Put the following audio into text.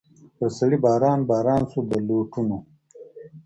پر سړي باندي باران سو د لوټونو